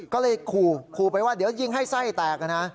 ก็เลยขู่ไปว่าเดี๋ยวยิงให้ไส้แตกนะ